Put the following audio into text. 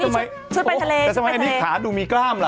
ชุดเป็นทะเลชุดเป็นทะเลว้าวแต่ทำไมอันนี้ขาดูมีกล้ามล่ะ